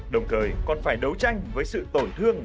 đồng thời còn phải đấu tranh với sự tổn thương